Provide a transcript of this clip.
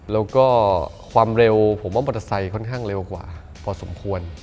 แล้วก็ความเร็วผมว่ามอเตอร์ไซค์ค่อนข้างเร็วกว่าพอสมควร